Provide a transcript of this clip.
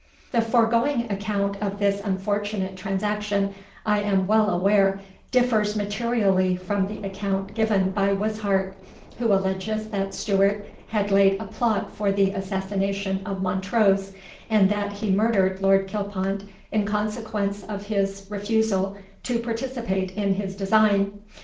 "The foregoing account of this unfortunate transaction, I am well aware, differs materially from the account given by Wishart, who alleges that Stewart had laid a plot for the assassination of Montrose, and that he murdered Lord Kilpont in consequence of his refusal to participate in his design.